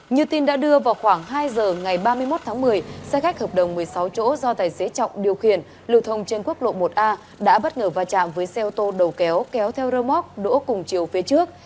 như tin đã đưa vào khoảng hai giờ ngày ba mươi một tháng một mươi xe khách hợp đồng một mươi sáu chỗ do tài xế trọng điều khiển lưu thông trên quốc lộ một a đã bất ngờ va chạm với xe ô tô đầu kéo kéo theo rơ móc đỗ cùng chiều phía trước